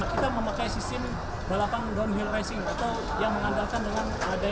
kita memakai sistem balapan downhill racing atau yang mengandalkan dengan adanya